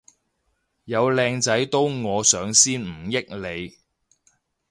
有靚仔都我上先唔益你